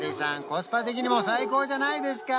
コスパ的にも最高じゃないですか？